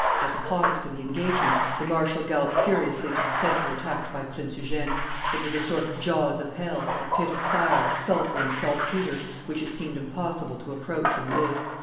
"At the hottest of the engagement, the marshal galloped furiously to the centre attacked by Prince Eugene. It was a sort of jaws of hell, a pit of fire, sulphur, and saltpetre, which it seemed impossible to approach and live.